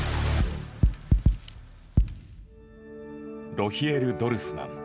ロヒエル・ドルスマン。